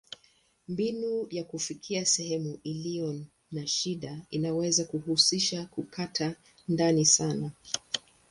Mbinu ya kufikia sehemu iliyo na shida inaweza kuhusisha kukata ndani sana.